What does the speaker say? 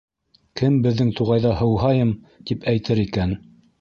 Кем беҙҙең туғайҙа, һыуһайым, тип әйтер икән?